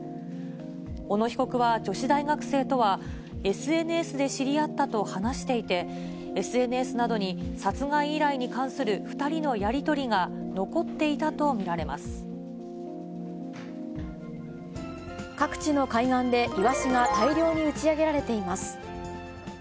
小野被告は女子大学生とはＳＮＳで知り合ったと話していて、ＳＮＳなどに殺害依頼に関する２人のやり取りが残っていたと見ら各地の海岸で、イワシが大量に打ち上げられています。